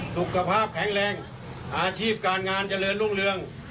สุขภาพแข็งแรงอาชีพการงานเจริญรุ่งเรือง